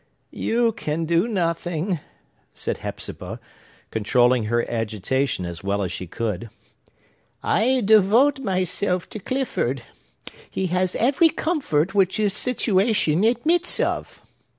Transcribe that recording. "You can do nothing," said Hepzibah, controlling her agitation as well as she could. "I devote myself to Clifford. He has every comfort which his situation admits of."